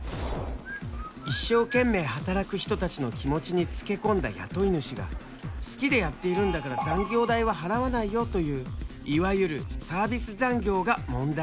一生懸命働く人たちの気持ちにつけ込んだ雇い主が好きでやっているんだから残業代は払わないよといういわゆるサービス残業が問題になっている。